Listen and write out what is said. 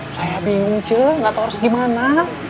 saya bingung ce gak tau harus gimana